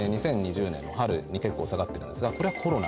２０２０年の春に結構下がってるんですがこれは。